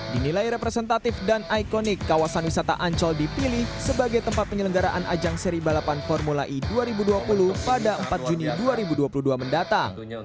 dinilai representatif dan ikonik kawasan wisata ancol dipilih sebagai tempat penyelenggaraan ajang seri balapan formula e dua ribu dua puluh pada empat juni dua ribu dua puluh dua mendatang